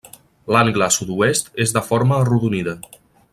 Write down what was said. L'angle sud-oest és de forma arrodonida.